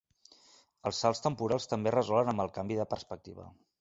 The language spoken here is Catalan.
Els salts temporals també es resolen amb el canvi de perspectiva.